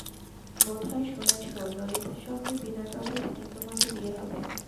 বোধ হয় শুনেছ ললিতার সঙ্গে বিনয়বাবুর হিন্দুমতে বিয়ে হবে?